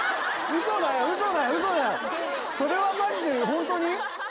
それはマジでホントに！？